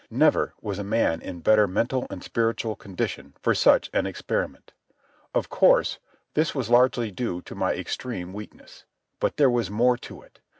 Never was a man in better mental and spiritual condition for such an experiment. Of course, this was largely due to my extreme weakness. But there was more to it.